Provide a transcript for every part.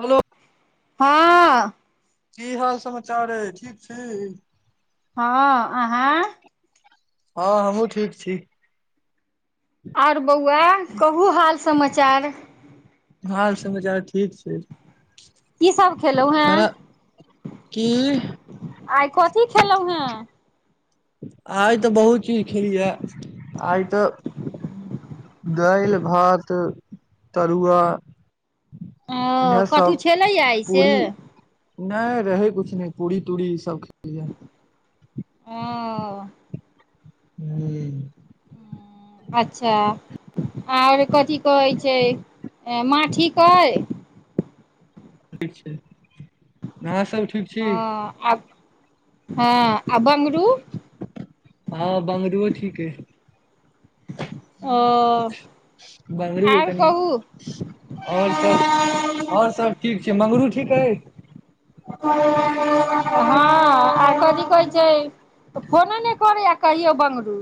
Hello हँ-अ हँ की हाल समाचार अई ठीक छी हँ अहाँ हँ हमहूँ ठीक छी आओर बौआ कहू हाल समाचार हाल समाचार ठीक छै की सब खेलौं खाना हें की आइ कथी खेलौं हें हँ आइ तऽ बहुत चीज खेलियै या आइ तऽ दालि भात तरुआ ओ इएह कथि सब छलैए आई से पूरी नहि रहै कछु नहि पूरी तूरी ई सब [unintelligible] ओ हूँ अच्छा आओर कथि कहै छै माँ ठीक अइ ठीक छै अहाँ सब ठीक छी हँ आब हँ आ बंगरू हँ बंगड़ूओ ठीक अई ओ मंगरू के आओर कनि कहू आओर सब आओर सब ठीक छै मंगरू ठीक अछि जे फोनो ने करैया कहियौ बंगरू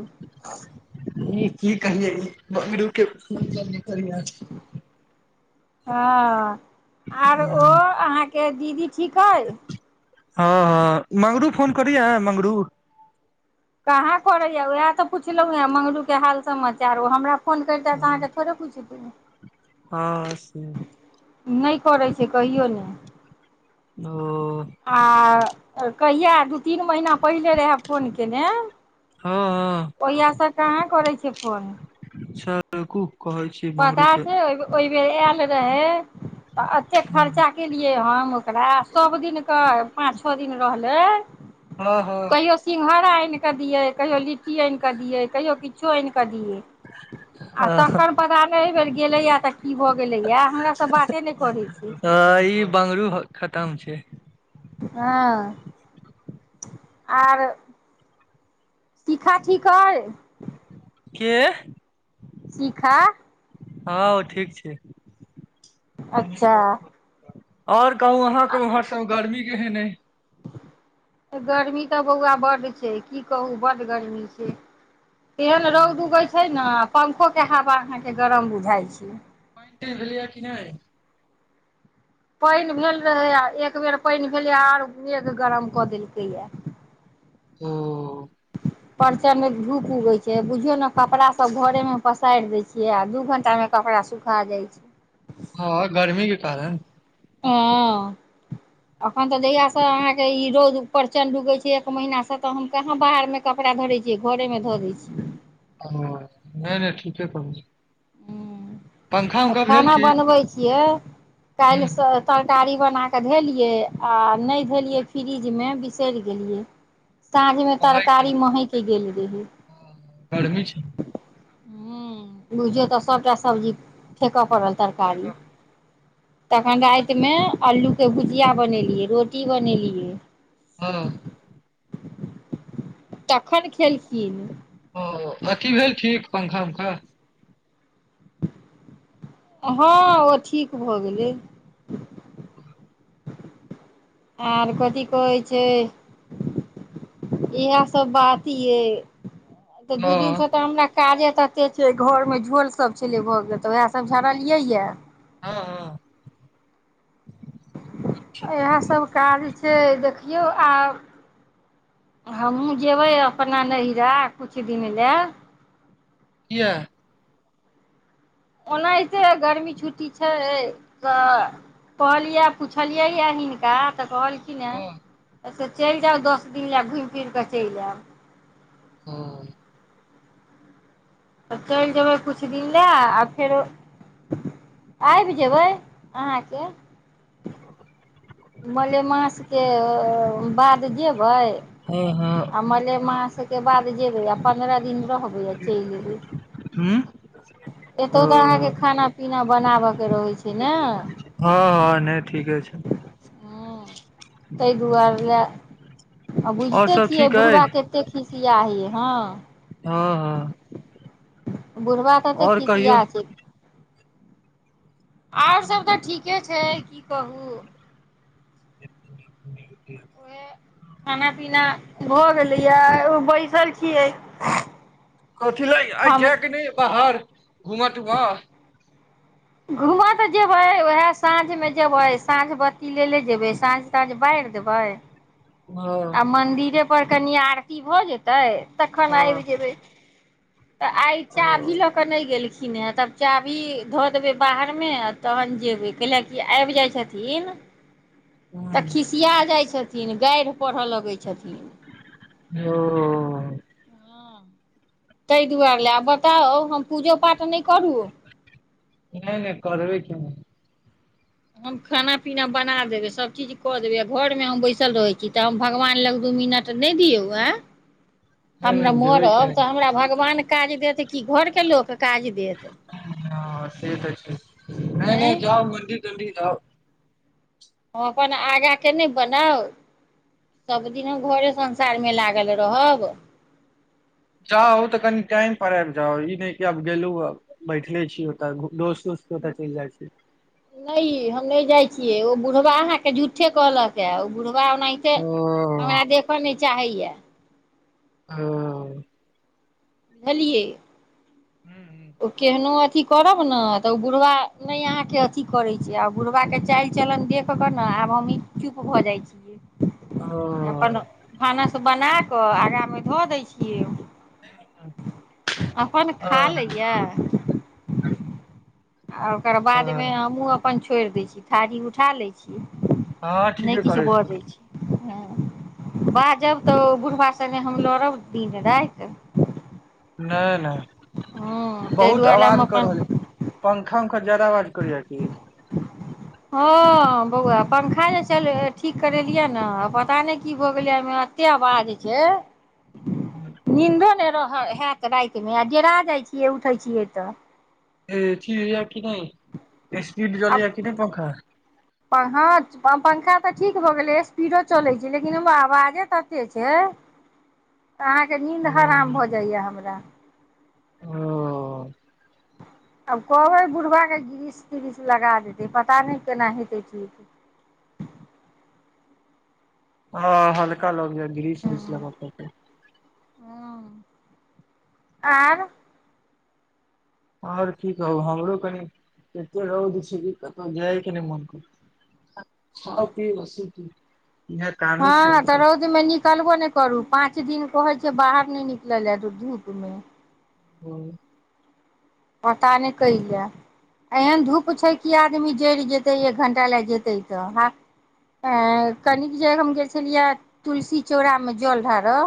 ई की कहियै ई बंगरू के फोन करै या हँ आर ओ अहाँके के दीदी ठीक अइ हँ हँ मंगरू फोन करै या मंगरू कहाँ करैए या उहाए तऽ पुछलहुँ हेँ मंगरूके हाल समाचार ओ हमरा फोन कैरिता हँ। तऽ अहाँ थोड़े पुछितौँ हँ से नहि करै से कहियौ न ओ आ तऽ कहिया तीन महिना पहिले रहाए फोन केने हँ हँ ओहिया स कहाँ करै छै फोन अच्छा रुकू कहै छी पता मंगरू के छै ओहि बेर आएल रहै तऽ एतेक खर्चा केलियै हम एकरा सब दिनके पाँच छअ दिन रहलै हँ हँ कहियो सिंहारा एनि कऽ दियै कहियो लि- -ट्टी एनि कऽ दियै कहियो किछो एनि कऽ दियै आ तखन पता नहि एहि बेर गेलैया तऽ की भऽ गेलै या हमरा स बाते नहि करै छै -त्म छै हँ आर शिखा ठीक अई के शिखा हँ ओ ठीक छै अच्छा [unintelligible] आओर कहू अहाँ के ओमहर सब गर्मी केहन अइ गर्मी तऽ बौआ बड्ड छै की कहू बड्ड गर्मी छै तेहन रौद उगै छै न पंखोके हवा अहाँके गरम बुझाइ छै पइन भेलै या की नहि पईन भेल रहै आ एक बेर पईन भेलै आओर मेघ गरम कऽ देलकै या ओ प्रचण्ड धूप उगै छै बुझियौ ने कपड़ा सभ घरेमे पसारि दै छियै आ दू घंटामे कपड़ा सुखा जाइ छै हँ गर्मी के कारण हँ एखन तऽ जहियासँ अहाँके ई रौउद प्रचणड उगै छै एक महीनासँ तऽ हम कहाँ बाहरमे कपड़ा धरै छियै घरेमे धऽ दै छियै हँ नहि नहि ठीके करै छी आ खाना ठीक। बनबै छियै काल्हि हुं स तरकारी बना कऽ धेलियै आ नहि धेलियै फ्रिजमे बिसैर गेलियै साँझ मे पढ़ाइ तरकारी केलौ महेंक गेल रहै गर्मी छै हूँ बुझियौ तऽ सबटा सब्जी फे- -क पड़ल तरकारी तऽ। तखन रातिमे अलूके भुजिया बनेलियै रोटी बनेलियै हँ तखन खेलखिन ओ अथी भेल ठीक पंखा उंखा हँ ओ ठीक भऽ गेलै आर कथि कहै छै इहाएसभ बात यइ तऽ दू हँ दिनसँ त हमरा काजे तते छै घरमे झोल सब छलै भऽ गेल तऽ वहाए सब झड़लियै या हँ हँ अच्छा, इहाए सब काज छै देखियौ आओर हमहूँ जेबै अपना नैहिरा कछु दिन लाए कियाऽ ओनाहिते गर्मी छुट्टी छै तऽ कहलियै पुछलियै या हिनका तऽ कहलखिंन या हँ ए से चलि जाउ दस दिन लाए घूमि फिर कऽ चलि आयब हूँ तऽ चलि जेयबै कछु दिन लाए आ फेरो आबि जेयबै अहाँके [inaudible] मलेमास के बाद जे- -बैय हँ आ मलेमास के बाद जेबै आ पन्द्रह दिन रहबै आ चलि एबै हुं ओ एतहु तऽ अहाँके खाना पीना बनाबऽके रहै छै न हँ हँ नहि ठीके छै तै दुआरे ला आ और बुझिते सब छियै ठीक अइ बुढ़बा केते खिस- -सआह अइ हँ हँ हँ बुढ़बा कत्ते और खिसिया कहियौ छै आओर सब तऽ ठीके छै छै की कहू [unintelligible] ऐं खाना पीना भऽ गेलैया ओ बैसल छियै कथिला आइ हम जायके नहि या बाहर घूमऽ तूमऽ घूमऽ तऽ जेबै उहाए साँझमे जेबै साँझ ब्ती ले ले जेबै साँझ तांझ बारि देबै हँ आ मंदिरे ऊपर कनि आरती भऽ जेतै तखन हँ आबि जेबै तऽ आइ चाभी ओ लऽ क नहि गेलखिन किने तब चाभी धऽ देबै बाहरमे आ तहन जेबै कैल की आबि जाइ छथिन तऽ हुं खिसिया जाइ छथि- -थिन गारिह पढ़ऽ लगै छथिन ओ ताहि दुआरे ला आब बताउ हम पूजो पाठ नहि करू नहि नहि करबै किया न हम खाना पीना बना देबै सभचीज कऽ देबै आ घरमे हम बैसल रहै छी तऽ हम भगवान लंग दू मिनट नहि दियौ आएँ नहि हमरा नहि जेबै मरब केना तऽ हमरा भगवान काज देथ- हँ से तऽ छै नहि आँय नहि हम जाउ मंदिर तंदिर जाउ हम अपन आगाँके नहि बनाउ सभदिन हम घरे संसारमे लागल रहब जाउ तऽ कनि टाइम पर आबि जाउ ई नहि कि आब गेलहूँ अं बैठले छी ओतऽ दोस्त उोस्त के ओतऽ चलि जाइ छी नहि हम नहि जाइ- -छियै ओ बुढ़बा अहाँके झूठे कहलक या ओ बुढ़- -बा ओनाहिंते ओ हमरा देख नै चाहै या हँ बुझलियै हूँ ओ केहनो अथि करब न तऽ ओ बुढ़बा नहि अहाँके अथि करै छै आ बुुरबबाके चालि चलन देखि कऽ न आब हमही चुप भऽ जाइ छियै ओ अपन भानस बनाकऽ आगाँमे धऽ दै छियै अपन खा लै इहाए आ ओकर बादमे ह हमहूँ अपन छोड़ि दै छियै थारी उठा लै छियै हँ ठीके करै छी हूँ बाजब तऽ ओ बुरबा सङ्गे हम लड़ब दिन राति नै नै हँ ताहि बहुत दुआरे हम आवाज कऽ अपन रहल अइ पंखा उंखा ज्यादा आवाज करै या की हँ बौआ पंखा जे चल ठीक करेलियै या न पता नहि की भऽ गेलै एहिमे एतेक आवाज छै नींदो ने हाएत रातिमे आ डरा जाइ छियै उठै छियै तऽ ऐ छी की नहि एसपीड चलैया की नहि पंखा प-हँ पंखा तऽ ठीक भऽ गेलै स्पीडो चलै छै लेकिन ओहिमे आवाजे ततेक छै तऽ अहाँके ओ नींन्द हराम भऽ जाइया हमरा ओ आब कहबै बुढ़बा ग्रीश त्रिश लगा देतै पता नहि केना हेतै ठीक हँ हल्का लगै या ग्रीस उरिस लगब पड़तै हँ आर आओर की कहू हमरो कनि एते रौद छै कि कतहु जाइ के नहि मन करै सब [unintelligible] हँ तऽ रौदमे निकलबो नहि करू पाँच दिन कहै छै बाहर नहि निकलै ला धूप मे हूँ पता नहि कैएला एहन धूप छै कि आदमी जरि जेतै एक घण्टा जेयतै तऽ ह ऐं कनिक जे हम गेल छलियै या तुलसी चौड़ामे जल ढारह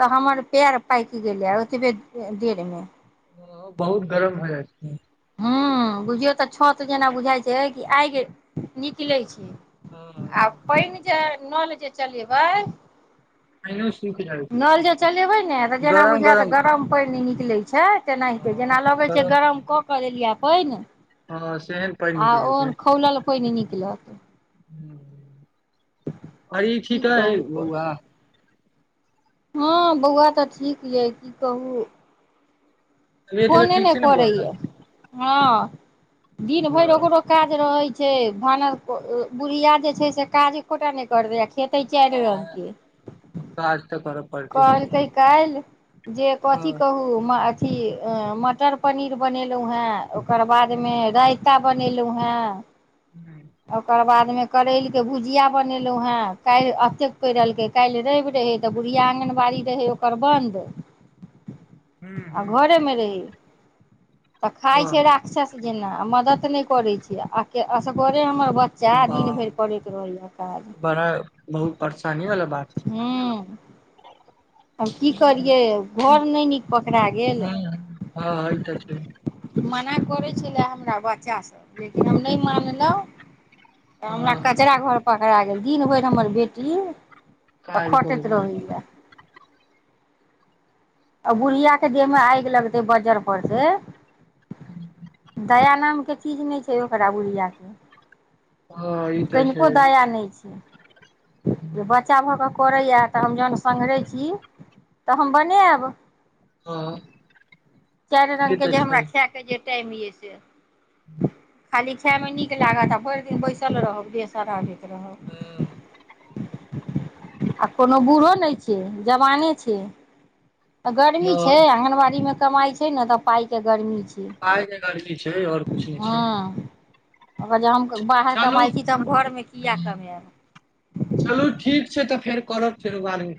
तऽ हमर पैर पाकि गेलै ओतबे देर मे ओ बहुत गरम भऽ जाइ छै हूँ बुझियौ तऽ छत जेना बुझाय छै ई आइग निकलै छै आब पइन जे नल जे चलेबै पानियो सुखि जाइ छै नल जे चलेबै ने तऽ जेना बुझात गरम पइन नि- हिलै छै तेनाहिंते जेना लगै छै गरम क ले लिया पानि हँ सेहन पानि नीक लगतै कोइ नहि निकलत आ ई की ठीक अए कहू बौआ हँ बौआ तऽ ठीक यैए की कहू तबियत तबियत फोने ठीक नै छै ने बौआ के? करैयै हँ दिन भरि ओकरो काज रहै छै भानस बुढ़िया जे छै से काज एकोटा नहि कर देे आ खेतै चारि रंग के काज तऽ करऽ पड़तै कहलकै काल्हि जे हँ कथी कहु म की अं मटर पनीर बनेलौ हैं। ओकर बादमे राए ता बनेलु हैं। हँ ओकर बाद ओय मे करेली के भुजिया बनेलो हैं कायल अतेक [unintelligible] के कायल रैब रहेते भु [unintelligible] या आँगनबाड़ी रहै ओकर बन्द। आ हँ घरे मे रहै तऽ खाय छै राक्षस जेना मदद ने करै छी अके असगरे हमर बच्चा दिन वाह भेर करैत रहैया काज बड़ा बहुत परेशानी वाला बात छै हम्म। आब की करियै घर ने नीक पकड़ा गेल। हूँ हँ ई तऽ छै मना करै छलै हमरा बच्चा सब लेकिन हम ने मानलौ। हमरा हँ कचरा घर पर हरा गेल दिन भैर हमर बेटी अ काज करू खटैत रहै या। अ बुढ़ियाके देहमे आएग लगतै बजर पर से। दया नाम त चीज ने छै ओकरा बुढ़िया हँ ई के। तऽ छै कनिको दया ने छै जे बच्चा भऽ के करै या ते हम जहन संघरै छी तऽ हम बनाएब। आ चार रंग के जे हमरा खाय के जे टाइम ये से खाली खायमे नीक लागत आ भैर दिन बैसल रहब देह सड़ा ले हँ [unintelligible] आ कोनो बूढ़ो ने छै। के जवाने छिये। अ गरमी छै हँ आंगनबाड़ी मे। कमाय छै ने ते पाय के गर्मी छै। आय जे गर्मी छै और कुछ ने छै। हँ अगर जे हम बाहर चलू कमाय छी ते हम घर मे किया चलू कमाएब। ठीक छै तऽ फेर करब फेरो बाद में।